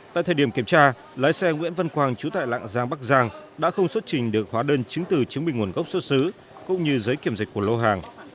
tại thời điểm kiểm tra lái xe nguyễn văn quang chú tại lạng giang bắc giang đã không xuất trình được hóa đơn chứng từ chứng minh nguồn gốc xuất xứ cũng như giấy kiểm dịch của lô hàng